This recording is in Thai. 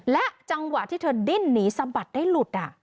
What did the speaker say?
และจังหวะที่เธอดิ้นหนีสะบัดได้หลุด